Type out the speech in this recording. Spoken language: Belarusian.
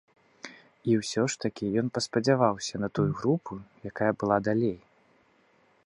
Усё ж такі ён паспадзяваўся на тую групу, якая была далей.